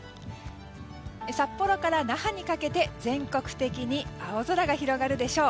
札幌から那覇にかけて全国的に青空が広がるでしょう。